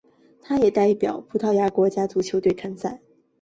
他也代表葡萄牙国家足球队参赛。